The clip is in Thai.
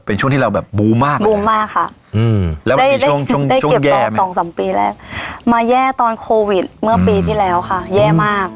แล้วมันติดช่วงแย่ไหมได้เก็บตอนสองสามปีแล้วมาแย่ตอนโควิดเมื่อปีที่แล้วค่ะแย่มาก